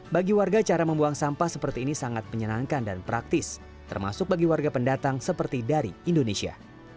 bagi warga cara membuang sampah seperti ini sangat menyenangkan dan praktis termasuk bagi warga pendatang seperti dari indonesia